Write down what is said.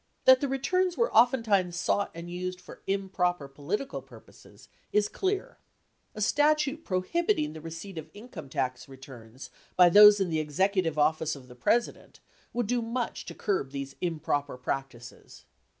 That the returns were oftentimes sought and used for improper political purposes is clear. A statute prohibiting the receipt of income tax returns by those in the Executive Office of the President would do much to curb these improper practices.